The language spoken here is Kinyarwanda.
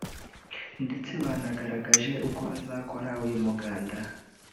ndetse banagaragaje uko bazakora uyu muganda